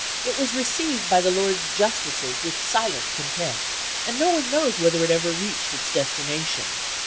It was received by the Lords Justices with silent contempt, and no one knows whether it ever reached its destination.